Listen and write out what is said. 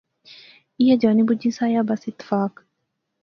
ایہہ جانی بجی سا یا بس اتفاق